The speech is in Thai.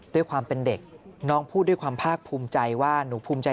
ด้วยความเป็นเด็กน้องพูดด้วยความภาคภูมิใจว่าหนูภูมิใจ